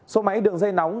số máy đường dây nóng